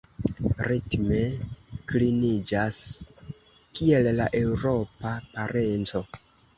Ritme kliniĝas kiel la eŭropa parenco.